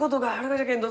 じゃけんど